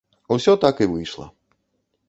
Усё так і выйшла.